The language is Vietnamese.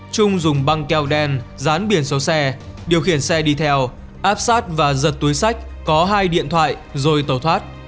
trung dùng băng keo đen dán biển số xe điều khiển xe đi theo áp sát và giật túi sách có hai điện thoại rồi tẩu thoát